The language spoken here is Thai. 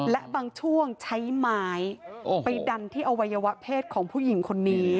และบางช่วงใช้ไม้ไปดันที่อวัยวะเพศของผู้หญิงคนนี้